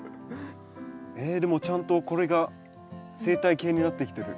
えでもちゃんとこれが生態系になってきてる。